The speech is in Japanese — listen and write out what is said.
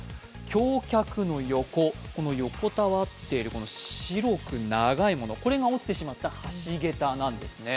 橋脚の横、横たわっている白く長いもの、これが落ちてしまった橋桁なんですね。